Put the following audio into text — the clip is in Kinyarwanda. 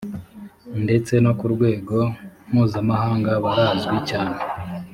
ndetse no ku rwego mpuzamahanga barazwi cyane